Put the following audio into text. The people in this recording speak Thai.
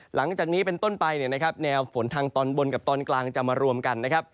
หลังจากนี้เป็นต้นไปเนี่ยนะครับแนวฝนทางตอนบนกับตอนกลางจะมารวมกันนะครับ